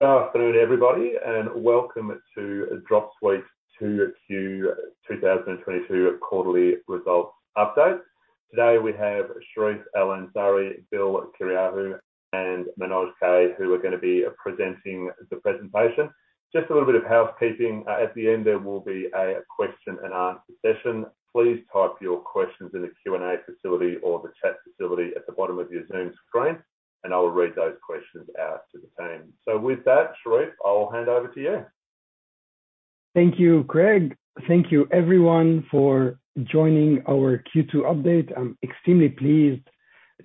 Good afternoon, everybody, and welcome to Dropsuite's 2022 quarterly results update. Today we have Charif El-Ansari, Bill Kyriacou, and Manoj Kalyanaraman, who are gonna be presenting the presentation. Just a little bit of housekeeping. At the end, there will be a question and answer session. Please type your questions in the Q&A facility or the chat facility at the bottom of your Zoom screen, and I will read those questions out to the team. With that, Charif, I'll hand over to you. Thank you, Craig. Thank you everyone for joining our Q2 update. I'm extremely pleased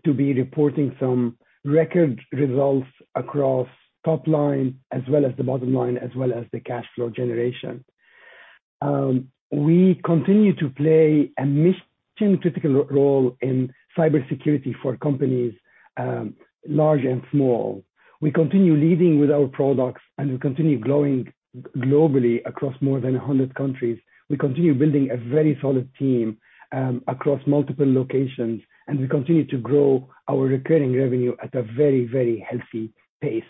to be reporting some record results across top line as well as the bottom line, as well as the cash flow generation. We continue to play a mission-critical role in cybersecurity for companies, large and small. We continue leading with our products, and we continue growing globally across more than a hundred countries. We continue building a very solid team, across multiple locations, and we continue to grow our recurring revenue at a very, very healthy pace.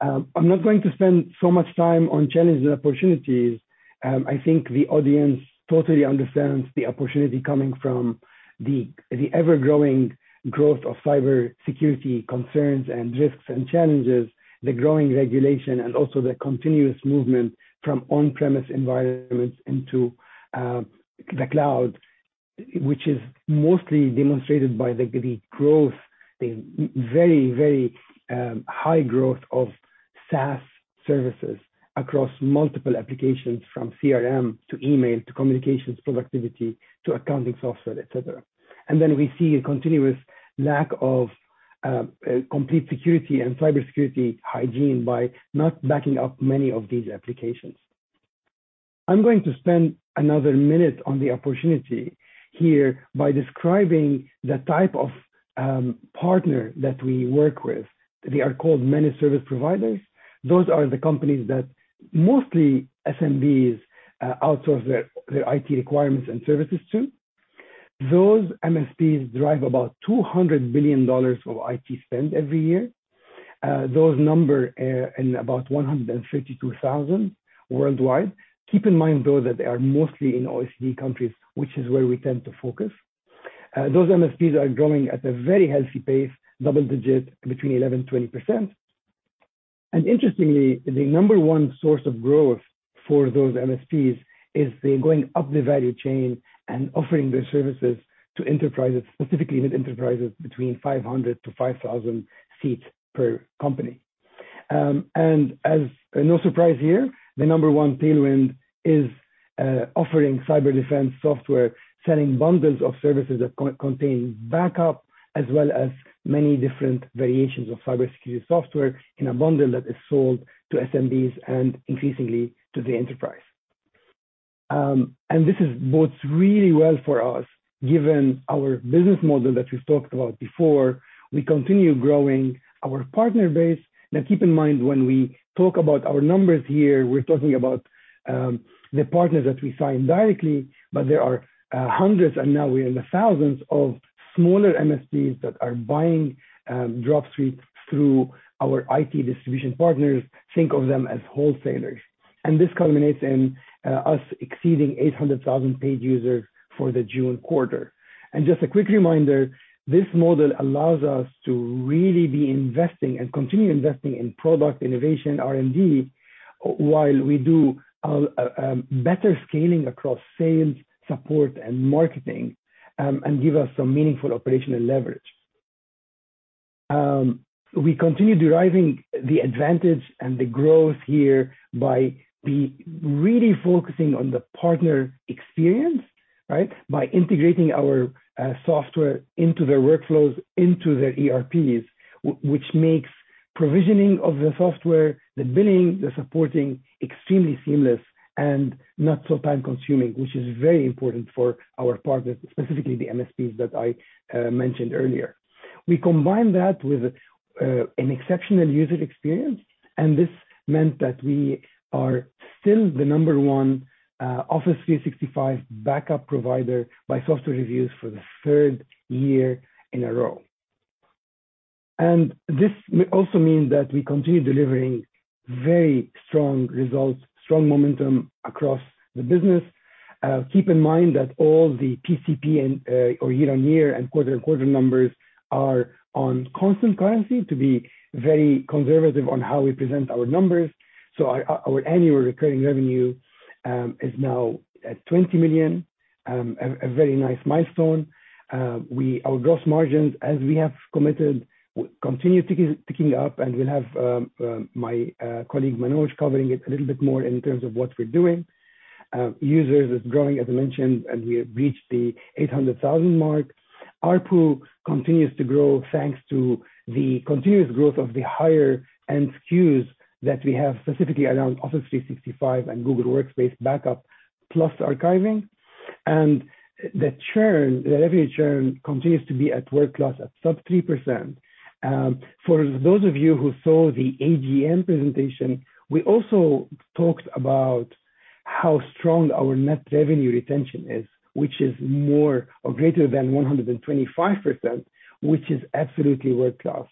I'm not going to spend so much time on challenges and opportunities. I think the audience totally understands the opportunity coming from the ever-growing growth of cybersecurity concerns and risks and challenges, the growing regulation, and also the continuous movement from on-premise environments into the cloud, which is mostly demonstrated by the growth, the very, very high growth of SaaS services across multiple applications, from CRM to email, to communications, productivity, to accounting software, et cetera. Then we see a continuous lack of complete security and cybersecurity hygiene by not backing up many of these applications. I'm going to spend another minute on the opportunity here by describing the type of partner that we work with. They are called managed service providers. Those are the companies that mostly SMBs outsource their IT requirements and services to. Those MSPs drive about $200 billion of IT spend every year. Those numbers in about 152,000 worldwide. Keep in mind, though, that they are mostly in OECD countries, which is where we tend to focus. Those MSPs are growing at a very healthy pace, double digit between 11%-20%. Interestingly, the number one source of growth for those MSPs is they're going up the value chain and offering their services to enterprises, specifically mid enterprises between 500-5,000 seats per company. As no surprise here, the number one tailwind is offering cyber defense software, selling bundles of services that contain backup as well as many different variations of cybersecurity software in a bundle that is sold to SMBs and increasingly to the enterprise. This bodes really well for us, given our business model that we've talked about before. We continue growing our partner base. Now, keep in mind when we talk about our numbers here, we're talking about the partners that we sign directly. There are hundreds, and now we're in the thousands of smaller MSPs that are buying Dropsuite through our IT distribution partners. Think of them as wholesalers. This culminates in us exceeding 800,000 paid users for the June quarter. Just a quick reminder, this model allows us to really be investing and continue investing in product innovation R&D while we do better scaling across sales, support and marketing, and give us some meaningful operational leverage. We continue deriving the advantage and the growth here by really focusing on the partner experience, right? By integrating our software into their workflows, into their ERPs, which makes provisioning of the software, the billing, the supporting extremely seamless and not so time-consuming, which is very important for our partners, specifically the MSPs that I mentioned earlier. We combine that with an exceptional user experience, and this meant that we are still the number one Office 365 backup provider by SoftwareReviews for the third year in a row. This also means that we continue delivering very strong results, strong momentum across the business. Keep in mind that all the PCP and/or year-over-year and quarter-over-quarter numbers are on constant currency to be very conservative on how we present our numbers. Our annual recurring revenue is now at $20 million, a very nice milestone. Our gross margins, as we have committed, continue ticking up, and we'll have my colleague, Manoj, covering it a little bit more in terms of what we're doing. Users is growing, as I mentioned, and we have reached the 800,000 mark. ARPU continues to grow, thanks to the continuous growth of the higher-end SKUs that we have specifically around Office 365 and Google Workspace backup plus archiving. The churn, the revenue churn continues to be at world class at sub 3%. For those of you who saw the AGM presentation, we also talked about how strong our net revenue retention is, which is more or greater than 125%, which is absolutely world-class.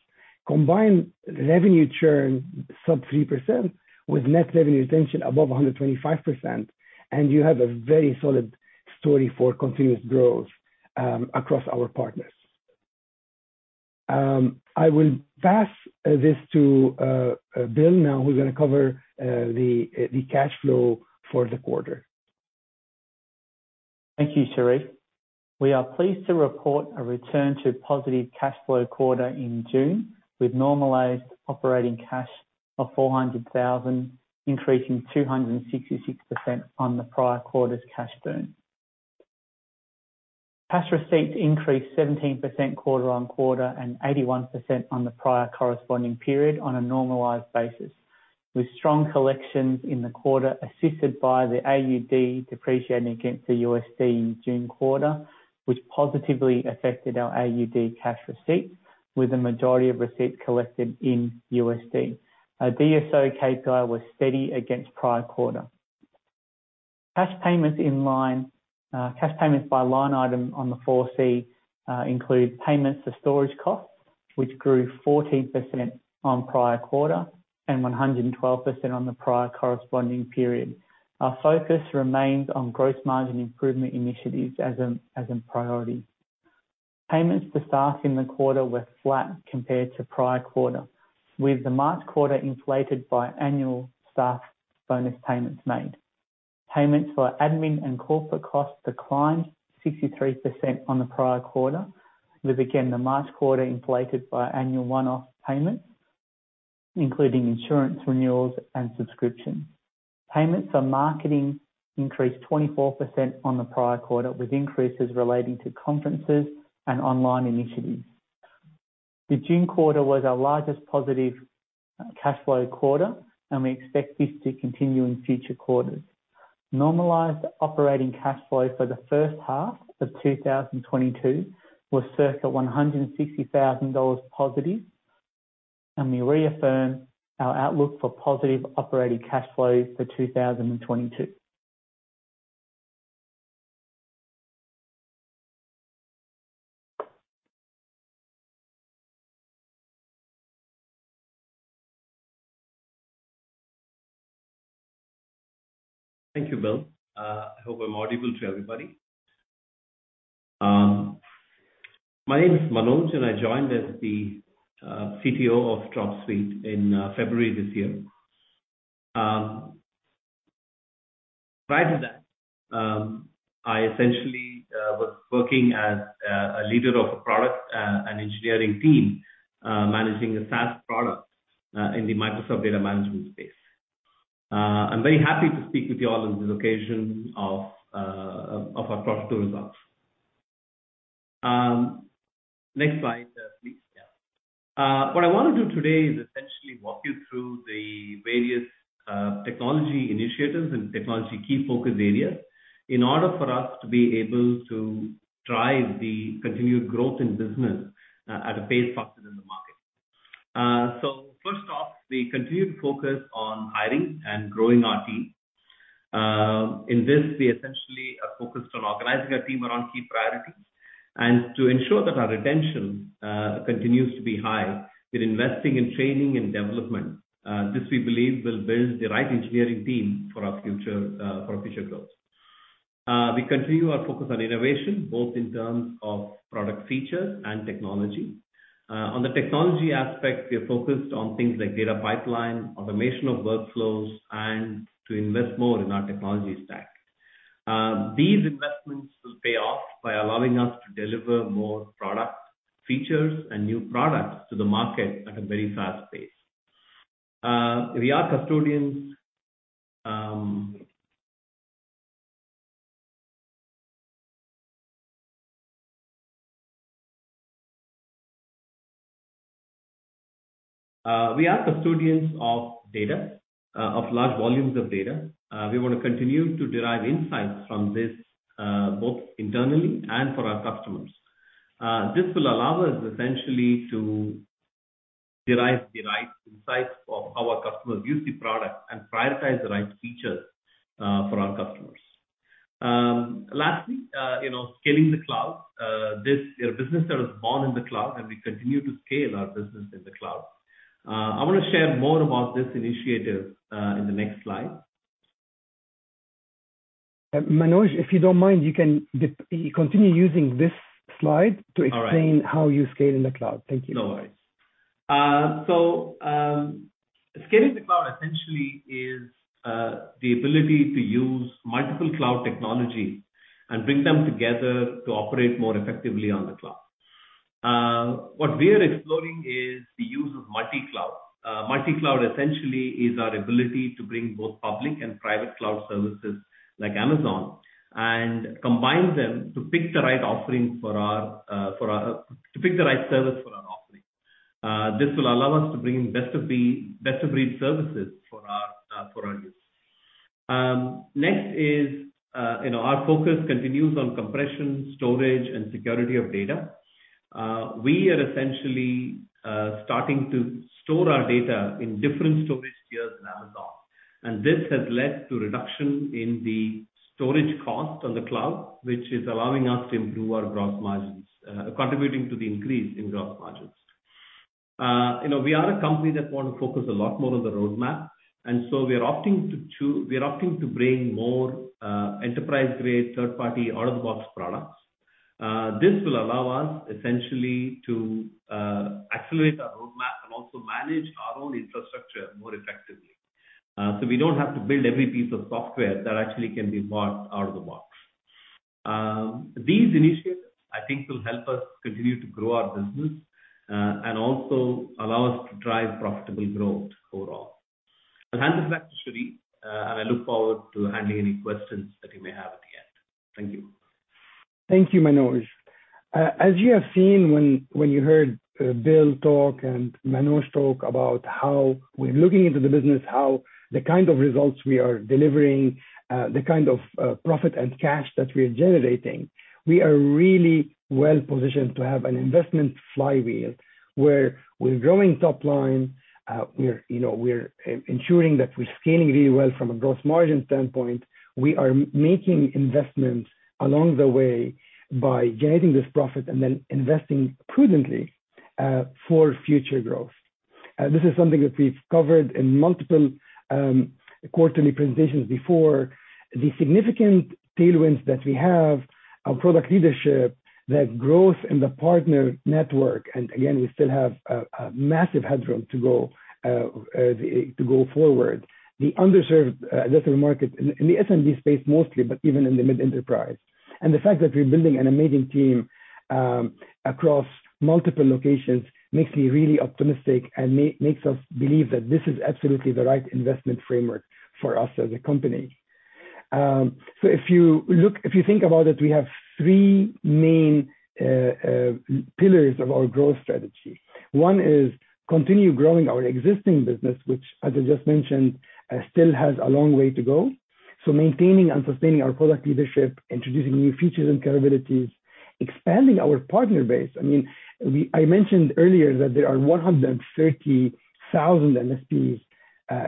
Combine revenue churn sub 3% with net revenue retention above 125%, and you have a very solid story for continuous growth across our partners. I will pass this to Bill now, who's gonna cover the cash flow for the quarter. Thank you, Charif. We are pleased to report a return to positive cash flow quarter in June with normalized operating cash of 400,000, increasing 266% on the prior quarter's cash burn. Cash receipts increased 17% quarter on quarter and 81% on the prior corresponding period on a normalized basis, with strong collections in the quarter assisted by the AUD depreciating against the USD in June quarter, which positively affected our AUD cash receipts with the majority of receipts collected in USD. Our DSO KPI was steady against prior quarter. Cash payments by line item on the 4C include payments for storage costs, which grew 14% on prior quarter and 112% on the prior corresponding period. Our focus remains on gross margin improvement initiatives as a priority. Payments to staff in the quarter were flat compared to prior quarter, with the March quarter inflated by annual staff bonus payments made. Payments for admin and corporate costs declined 63% on the prior quarter, with again, the March quarter inflated by annual one-off payments, including insurance renewals and subscriptions. Payments for marketing increased 24% on the prior quarter, with increases relating to conferences and online initiatives. The June quarter was our largest positive cash flow quarter, and we expect this to continue in future quarters. Normalized operating cash flow for the first half of 2022 was circa $160,000 positive, and we reaffirm our outlook for positive operating cash flow for 2022. Thank you, Bill. I hope I'm audible to everybody. My name is Manoj, and I joined as the CTO of Dropsuite in February this year. Prior to that, I essentially was working as a leader of a product and engineering team, managing a SaaS product in the Microsoft data management space. I'm very happy to speak with you all on this occasion of our quarter two results. Next slide, please. Yeah. What I wanna do today is essentially walk you through the various technology initiatives and technology key focus areas in order for us to be able to drive the continued growth in business at a pace faster than the market. First off, we continue to focus on hiring and growing our team. In this, we essentially are focused on organizing our team around key priorities. To ensure that our retention continues to be high, we're investing in training and development. This, we believe, will build the right engineering team for our future, for future growth. We continue our focus on innovation both in terms of product features and technology. On the technology aspect, we are focused on things like data pipeline, automation of workflows, and to invest more in our technology stack. These investments will pay off by allowing us to deliver more product features and new products to the market at a very fast pace. We are custodians of data, of large volumes of data. We wanna continue to derive insights from this, both internally and for our customers. This will allow us essentially to derive the right insights of how our customers use the product and prioritize the right features for our customers. Lastly, you know, scaling the cloud. We're a business that was born in the cloud, and we continue to scale our business in the cloud. I wanna share more about this initiative in the next slide. Manoj, if you don't mind, you can continue using this slide. All right. to explain how you scale in the cloud. Thank you. No worries. Scaling the cloud essentially is the ability to use multiple cloud technologies and bring them together to operate more effectively on the cloud. What we are exploring is the use of multi-cloud. Multi-cloud essentially is our ability to bring both public and private cloud services like Amazon and combine them to pick the right service for our offering. This will allow us to bring in best of breed services for our use. Next is, you know, our focus continues on compression, storage, and security of data. We are essentially starting to store our data in different storage tiers in Amazon, and this has led to reduction in the storage cost on the cloud, which is allowing us to improve our gross margins, contributing to the increase in gross margins. You know, we are a company that want to focus a lot more on the roadmap, and so we are opting to bring more enterprise-grade, third-party, out-of-the-box products. This will allow us essentially to accelerate our roadmap and also manage our own infrastructure more effectively. We don't have to build every piece of software that actually can be bought out of the box. These initiatives, I think, will help us continue to grow our business, and also allow us to drive profitable growth overall. I'll hand it back to Charif, and I look forward to handling any questions that you may have at the end. Thank you. Thank you, Manoj. As you have seen when you heard Bill talk and Manoj talk about how we're looking into the business, how the kind of results we are delivering, the kind of profit and cash that we are generating. We are really well-positioned to have an investment flywheel where we're growing top line, you know, we're ensuring that we're scaling really well from a gross margin standpoint. We are making investments along the way by generating this profit and then investing prudently for future growth. This is something that we've covered in multiple quarterly presentations before. The significant tailwinds that we have, our product leadership, that growth in the partner network, and again, we still have a massive headroom to go forward. The underserved digital market in the SMB space mostly, but even in the mid-enterprise. The fact that we're building an amazing team across multiple locations makes me really optimistic and makes us believe that this is absolutely the right investment framework for us as a company. If you think about it, we have three main pillars of our growth strategy. One is continue growing our existing business, which as I just mentioned, still has a long way to go. Maintaining and sustaining our product leadership, introducing new features and capabilities, expanding our partner base. I mean, I mentioned earlier that there are 130,000 MSPs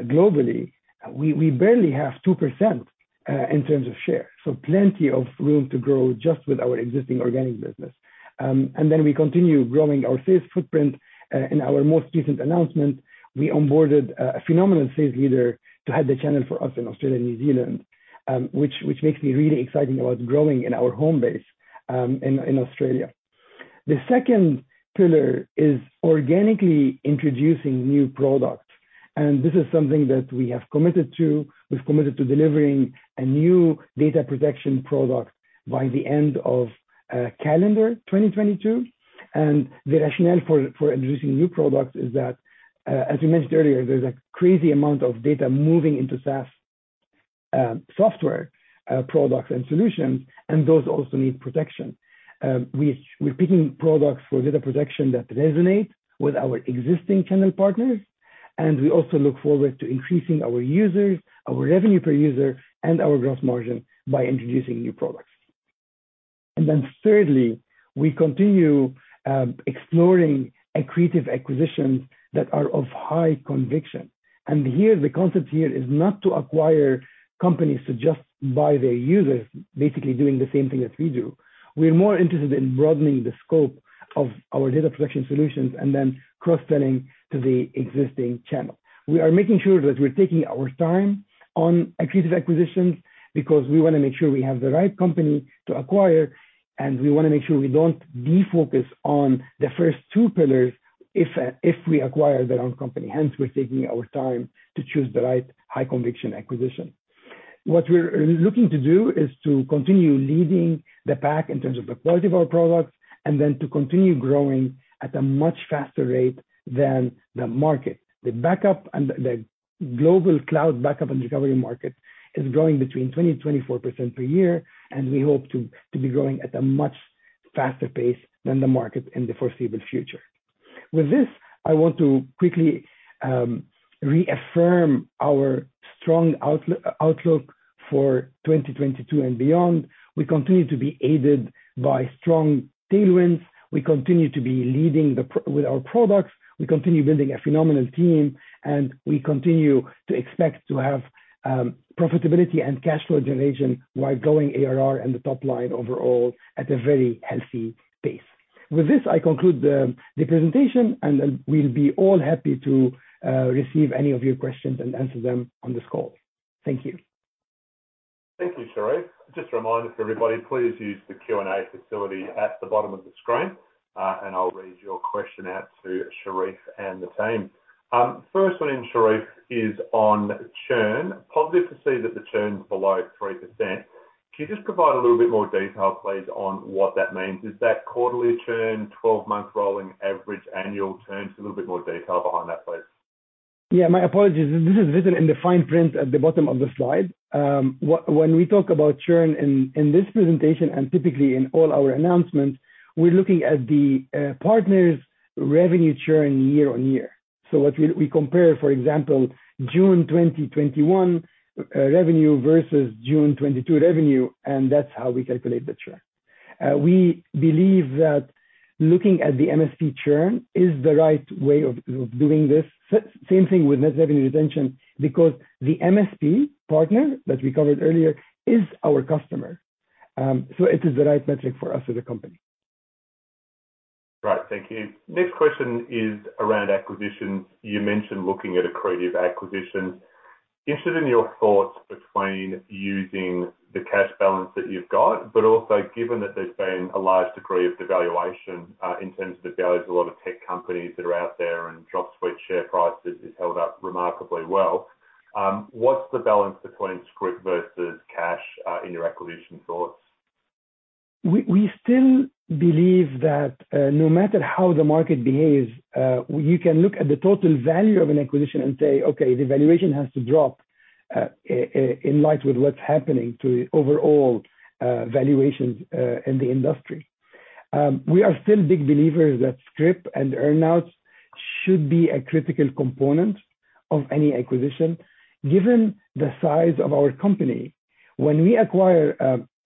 globally. We barely have 2% in terms of share, so plenty of room to grow just with our existing organic business. We continue growing our sales footprint. In our most recent announcement, we onboarded a phenomenal sales leader to head the channel for us in Australia and New Zealand, which makes me really exciting about growing in our home base in Australia. The second pillar is organically introducing new products, and this is something that we have committed to. We've committed to delivering a new data protection product by the end of calendar 2022. The rationale for introducing new products is that, as we mentioned earlier, there's a crazy amount of data moving into SaaS software products and solutions, and those also need protection. We're picking products for data protection that resonate with our existing channel partners, and we also look forward to increasing our users, our revenue per user, and our gross margin by introducing new products. Thirdly, we continue exploring accretive acquisitions that are of high conviction. Here, the concept here is not to acquire companies to just buy their users, basically doing the same thing that we do. We're more interested in broadening the scope of our data protection solutions and then cross-selling to the existing channel. We are making sure that we're taking our time on accretive acquisitions because we want to make sure we have the right company to acquire, and we want to make sure we don't de-focus on the first two pillars if we acquire the wrong company. Hence, we're taking our time to choose the right high conviction acquisition. What we're looking to do is to continue leading the pack in terms of the quality of our products and then to continue growing at a much faster rate than the market. The backup and the global cloud backup and recovery market is growing between 20%-24% per year, and we hope to be growing at a much faster pace than the market in the foreseeable future. With this, I want to quickly reaffirm our strong outlook for 2022 and beyond. We continue to be aided by strong tailwinds. We continue to be leading the pack with our products. We continue building a phenomenal team, and we continue to expect to have profitability and cash flow generation while growing ARR and the top line overall at a very healthy pace. With this, I conclude the presentation and then we'll be all happy to receive any of your questions and answer them on this call. Thank you. Thank you, Charif. Just a reminder for everybody, please use the Q&A facility at the bottom of the screen, and I'll read your question out to Charif and the team. First one in, Charif, is on churn. Positive to see that the churn is below 3%. Can you just provide a little bit more detail, please, on what that means? Is that quarterly churn, 12-month rolling average annual churn? A little bit more detail behind that, please. Yeah, my apologies. This is written in the fine print at the bottom of the slide. When we talk about churn in this presentation and typically in all our announcements, we're looking at the partners' revenue churn year-over-year. If we compare, for example, June 2021 revenue versus June 2022 revenue, and that's how we calculate the churn. We believe that looking at the MSP churn is the right way of doing this. Same thing with net revenue retention, because the MSP partner that we covered earlier is our customer. It is the right metric for us as a company. Right. Thank you. Next question is around acquisitions. You mentioned looking at accretive acquisitions. Interested in your thoughts between using the cash balance that you've got, but also given that there's been a large degree of devaluation in terms of the values of a lot of tech companies that are out there and Dropsuite share prices is held up remarkably well. What's the balance between scrip versus cash in your acquisition thoughts? We still believe that, no matter how the market behaves, you can look at the total value of an acquisition and say, okay, the valuation has to drop, in light with what's happening to overall valuations in the industry. We are still big believers that scrip and earn-outs should be a critical component of any acquisition. Given the size of our company, when we acquire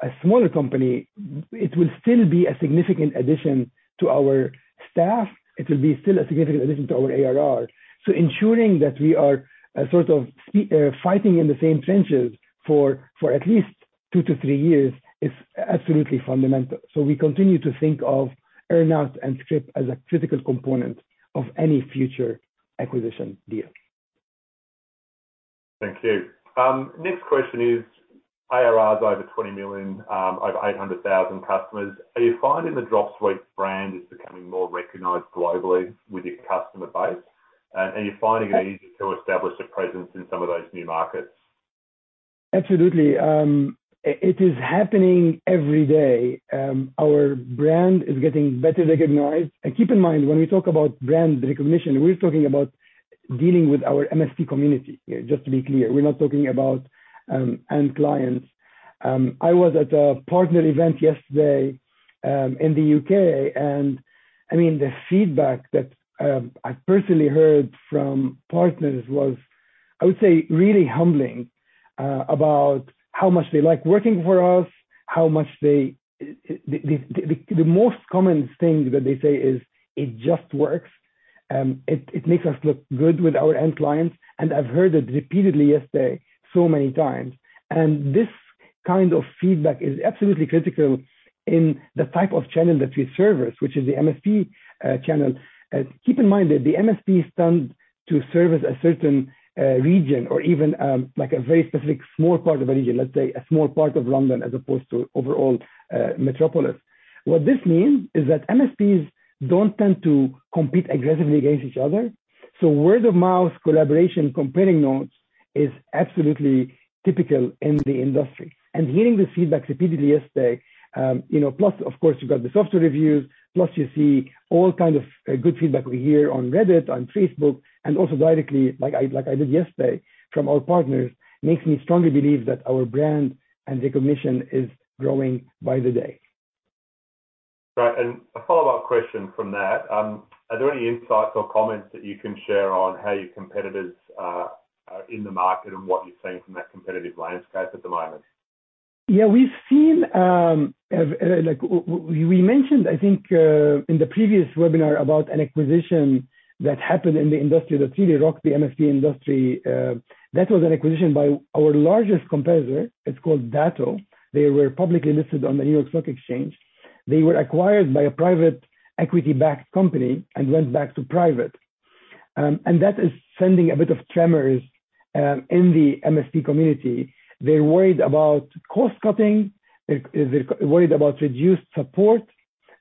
a smaller company, it will still be a significant addition to our staff. It will be still a significant addition to our ARR. Ensuring that we are sort of fighting in the same trenches for at least 2-3 years is absolutely fundamental. We continue to think of earn-out and scrip as a critical component of any future acquisition deal. Thank you. Next question is, ARR is over 20 million, over 800,000 customers. Are you finding the Dropsuite brand is becoming more recognized globally with your customer base? Are you finding it easier to establish a presence in some of those new markets? Absolutely. It is happening every day. Keep in mind, when we talk about brand recognition, we're talking about dealing with our MSP community, just to be clear. We're not talking about end clients. I was at a partner event yesterday in the U.K., I mean, the feedback that I personally heard from partners was, I would say, really humbling about how much they like working for us. The most common thing that they say is, "It just works. It makes us look good with our end clients." I've heard it repeatedly yesterday so many times. This kind of feedback is absolutely critical in the type of channel that we service, which is the MSP channel. Keep in mind that the MSPs tend to service a certain region or even like a very specific small part of a region, let's say a small part of London as opposed to overall metropolis. What this means is that MSPs don't tend to compete aggressively against each other. Word of mouth, collaboration, comparing notes is absolutely typical in the industry. Hearing this feedback repeatedly yesterday, you know, plus, of course, you got the SoftwareReviews, plus you see all kinds of good feedback we hear on Reddit, on Facebook, and also directly, like I did yesterday, from our partners, makes me strongly believe that our brand and recognition is growing by the day. Right. A follow-up question from that, are there any insights or comments that you can share on how your competitors are in the market and what you're seeing from that competitive landscape at the moment? Yeah, we've seen, we mentioned, I think, in the previous webinar about an acquisition that happened in the industry that really rocked the MSP industry. That was an acquisition by our largest competitor. It's called Datto. They were publicly listed on the New York Stock Exchange. They were acquired by a private equity-backed company and went back to private. That is sending a bit of tremors in the MSP community. They're worried about cost-cutting. They're worried about reduced support.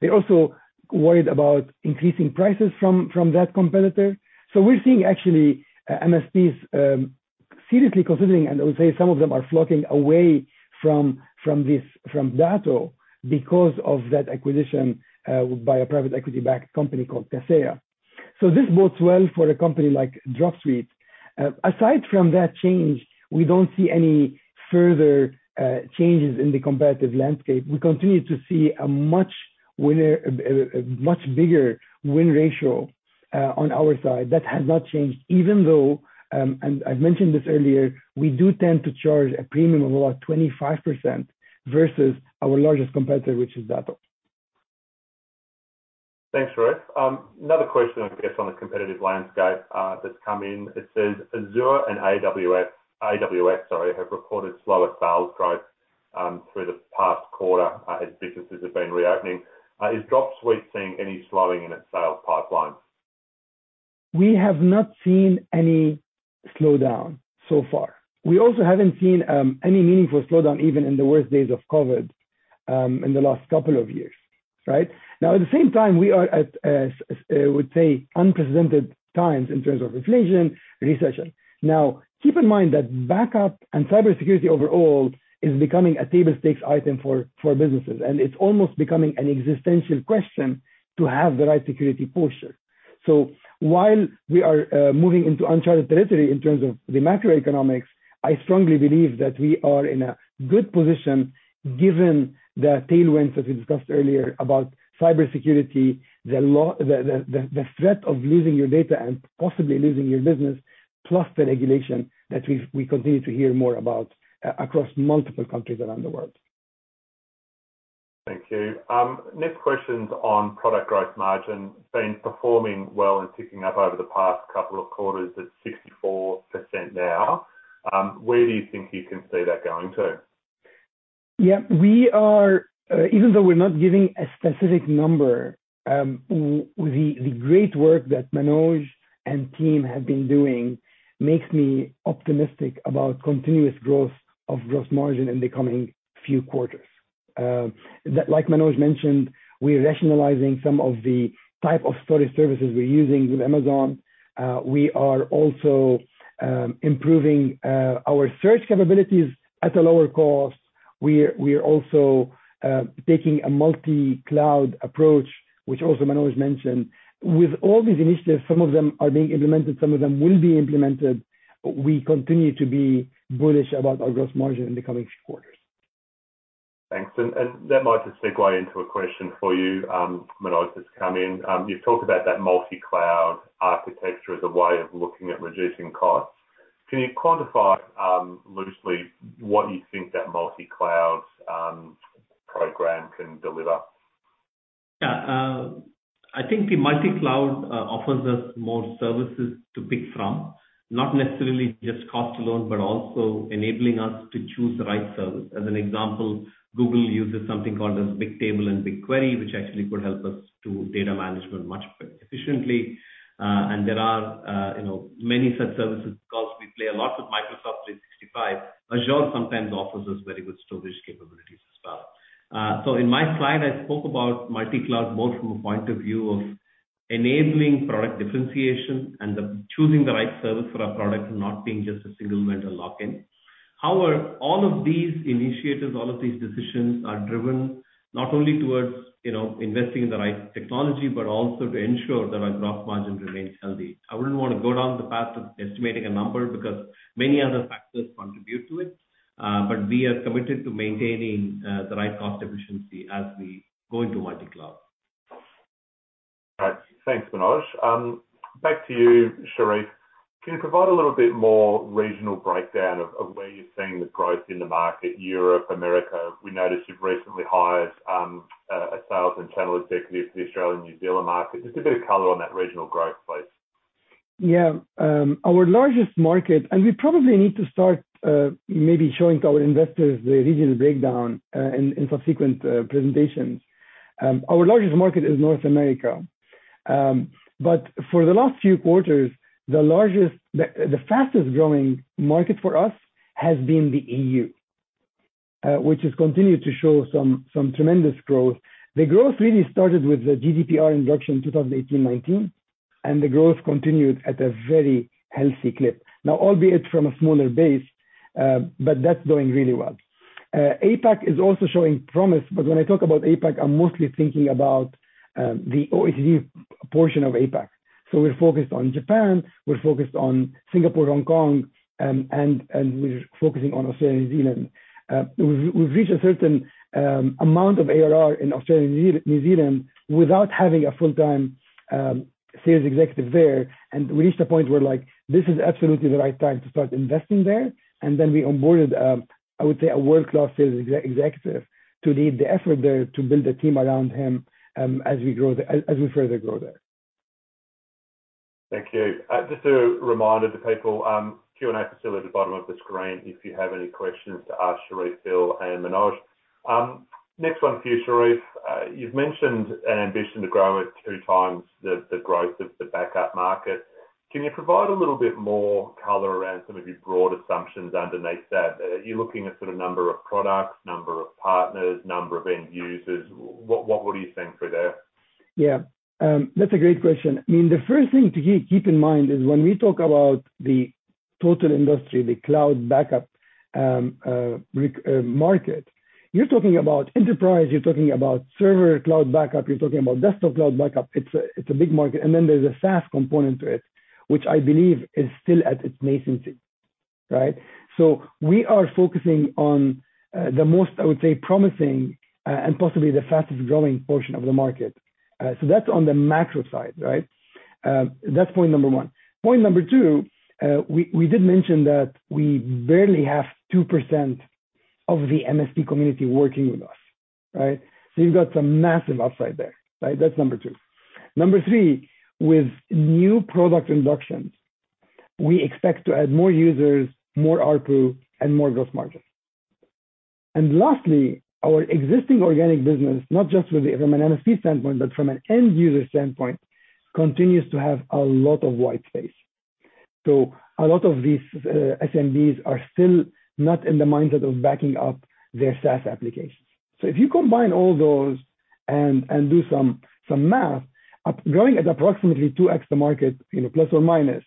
They're also worried about increasing prices from that competitor. We're seeing actually MSPs seriously considering, and I would say some of them are flocking away from this, from Datto because of that acquisition by a private equity-backed company called Kaseya. This bodes well for a company like Dropsuite. Aside from that change, we don't see any further changes in the competitive landscape. We continue to see a much bigger win ratio on our side. That has not changed, even though and I've mentioned this earlier, we do tend to charge a premium of about 25% versus our largest competitor, which is Datto. Thanks, Charif. Another question, I guess, on the competitive landscape, that's come in. It says Azure and AWS, sorry, have reported slower sales growth through the past quarter as businesses have been reopening. Is Dropsuite seeing any slowing in its sales pipeline? We have not seen any slowdown so far. We also haven't seen any meaningful slowdown, even in the worst days of COVID, in the last couple of years. Right? Now, at the same time, we are at I would say, unprecedented times in terms of inflation, recession. Now, keep in mind that backup and cybersecurity overall is becoming a table stakes item for businesses, and it's almost becoming an existential question to have the right security posture. While we are moving into uncharted territory in terms of the macroeconomics, I strongly believe that we are in a good position given the tailwinds that we discussed earlier about cybersecurity, the threat of losing your data and possibly losing your business, plus the regulation that we continue to hear more about across multiple countries around the world. Thank you. Next question's on product growth margin. It's been performing well and ticking up over the past couple of quarters at 64% now. Where do you think you can see that going to? Yeah. We are even though we're not giving a specific number, with the great work that Manoj and team have been doing makes me optimistic about continuous growth of gross margin in the coming few quarters. That like Manoj mentioned, we're rationalizing some of the type of storage services we're using with Amazon. We are also improving our search capabilities at a lower cost. We're also taking a multi-cloud approach, which also Manoj mentioned. With all these initiatives, some of them are being implemented, some of them will be implemented. We continue to be bullish about our gross margin in the coming quarters. Thanks. That might just segue into a question for you, Manoj, just come in. You've talked about that multi-cloud architecture as a way of looking at reducing costs. Can you quantify, loosely, what you think that multi-cloud program can deliver? Yeah. I think the multi-cloud offers us more services to pick from. Not necessarily just cost alone, but also enabling us to choose the right service. As an example, Google uses something called as Bigtable and BigQuery, which actually could help us do data management much efficiently. And there are you know many such services. Of course, we play a lot with Microsoft 365. Azure sometimes offers us very good storage capabilities as well. In my slide, I spoke about multi-cloud more from a point of view of enabling product differentiation and the choosing the right service for our product not being just a single vendor lock-in. However, all of these initiatives, all of these decisions are driven not only towards you know investing in the right technology, but also to ensure that our growth margin remains healthy. I wouldn't want to go down the path of estimating a number because many other factors contribute to it. We are committed to maintaining the right cost efficiency as we go into multi-cloud. All right. Thanks, Manoj. Back to you, Charif. Can you provide a little bit more regional breakdown of where you're seeing the growth in the market, Europe, America? We noticed you've recently hired a sales and channel executive for the Australian New Zealand market. Just a bit of color on that regional growth, please. Yeah. We probably need to start maybe showing to our investors the regional breakdown in subsequent presentations. Our largest market is North America. For the last few quarters, the fastest-growing market for us has been the E.U., which has continued to show some tremendous growth. The growth really started with the GDPR introduction in 2018, 2019, and the growth continued at a very healthy clip. Now, albeit from a smaller base, that's going really well. APAC is also showing promise, but when I talk about APAC, I'm mostly thinking about the OECD portion of APAC. We're focused on Japan, we're focused on Singapore, Hong Kong, and we're focusing on Australia and New Zealand. We've reached a certain amount of ARR in Australia and New Zealand without having a full-time sales executive there. We reached a point where like, this is absolutely the right time to start investing there. Then we onboarded, I would say, a world-class sales executive to lead the effort there to build a team around him, as we further grow there. Thank you. Just a reminder to people, Q&A facility at the bottom of the screen if you have any questions to ask Charif, Bill and Manoj. Next one for you, Charif. You've mentioned an ambition to grow at two times the growth of the backup market. Can you provide a little bit more color around some of your broad assumptions underneath that? Are you looking at sort of number of products, number of partners, number of end users? What are you seeing through there? Yeah. That's a great question. I mean, the first thing to keep in mind is when we talk about the total industry, the cloud backup recovery market, you're talking about enterprise, you're talking about server cloud backup, you're talking about desktop cloud backup. It's a big market. Then there's a SaaS component to it, which I believe is still at its nascency, right? We are focusing on the most, I would say, promising and possibly the fastest-growing portion of the market. That's on the macro side, right? That's point number one. Point number two, we did mention that we barely have 2% of the MSP community working with us, right? You've got some massive upside there, right? That's number two. Number three, with new product introductions, we expect to add more users, more ARPU, and more growth margins. Lastly, our existing organic business, not just from an MSP standpoint, but from an end user standpoint, continues to have a lot of white space. A lot of these SMBs are still not in the mindset of backing up their SaaS applications. If you combine all those and do some math, growing at approximately 2x the market, you know, plus or minus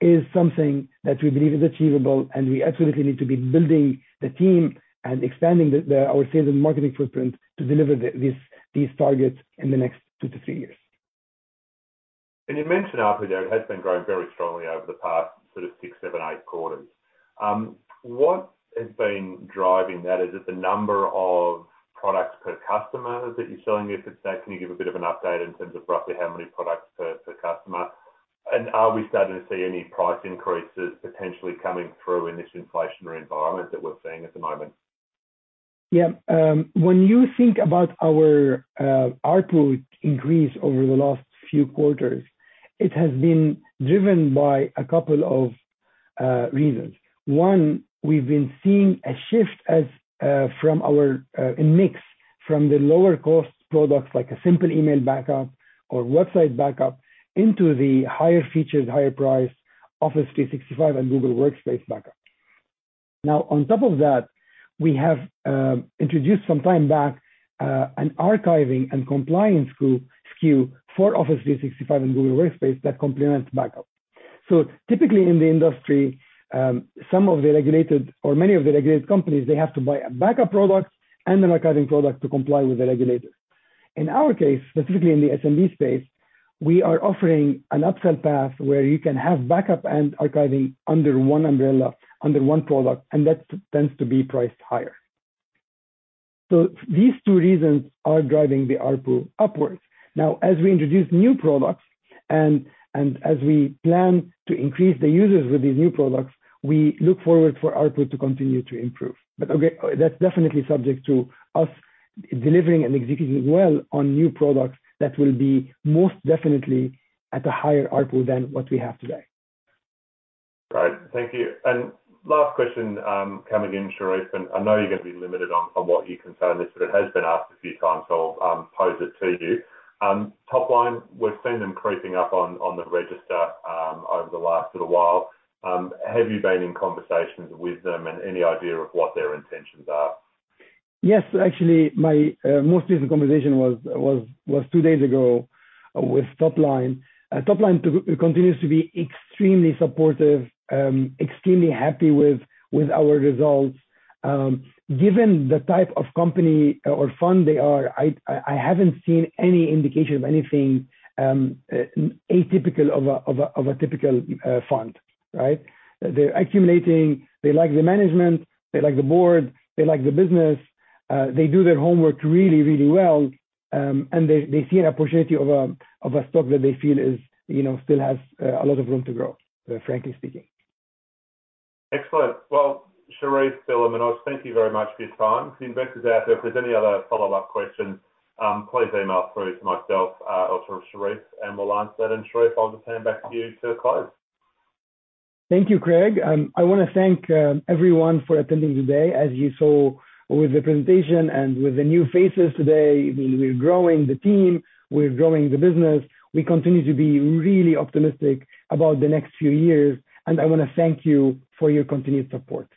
is something that we believe is achievable, and we absolutely need to be building the team and expanding our sales and marketing footprint to deliver these targets in the next two to three years. You mentioned ARPU there has been growing very strongly over the past sort of six, seven, eight quarters. What has been driving that? Is it the number of products per customer that you're selling? If it's that, can you give a bit of an update in terms of roughly how many products per customer? Are we starting to see any price increases potentially coming through in this inflationary environment that we're seeing at the moment? Yeah. When you think about our ARPU increase over the last few quarters, it has been driven by a couple of reasons. One, we've been seeing a shift in our mix from the lower cost products like a simple email backup or website backup into the higher features, higher price Office 365 and Google Workspace backup. Now, on top of that, we have introduced some time back an archiving and compliance SKU for Office 365 and Google Workspace that complements backup. Typically in the industry, some of the regulated or many of the regulated companies, they have to buy a backup product and an archiving product to comply with the regulators. In our case, specifically in the SMB space, we are offering an upsell path where you can have backup and archiving under one umbrella, under one product, and that tends to be priced higher. These two reasons are driving the ARPU upwards. Now, as we introduce new products and as we plan to increase the users with these new products, we look forward for ARPU to continue to improve. Again, that's definitely subject to us delivering and executing well on new products that will be most definitely at a higher ARPU than what we have today. Great. Thank you. Last question, coming in, Charif, and I know you're gonna be limited on what you can say on this, but it has been asked a few times, so I'll pose it to you. Topline, we've seen them creeping up on the register over the last little while. Have you been in conversations with them, and any idea of what their intentions are? Yes. Actually, my most recent conversation was two days ago with Topline. Topline continues to be extremely supportive, extremely happy with our results. Given the type of company or fund they are, I haven't seen any indication of anything atypical of a typical fund, right? They're accumulating, they like the management, they like the board, they like the business. They do their homework really well, and they see an opportunity of a stock that they feel is, you know, still has a lot of room to grow, frankly speaking. Excellent. Well, Charif, Philip, Manoj, thank you very much for your time. To investors out there, if there's any other follow-up questions, please email through to myself, or through Charif, and we'll answer it. Charif, I'll just hand it back to you to close. Thank you, Craig. I wanna thank everyone for attending today. As you saw with the presentation and with the new faces today, we're growing the team, we're growing the business. We continue to be really optimistic about the next few years, and I wanna thank you for your continued support.